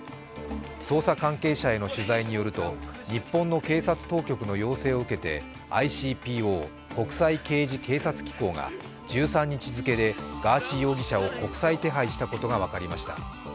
捜査関係者への取材によると日本の警察当局の要請を受けてＩＣＰＯ＝国際刑事警察機構が１３日付でガーシー容疑者を国際手配したことが分かりました。